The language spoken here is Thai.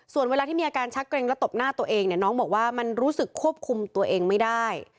ส่วนเวลาที่มีอาการชักเกรงและตบหน้าตัวเองเนี่ยน้องบอกว่ามันรู้สึกควบคุมตัวเองไม่ได้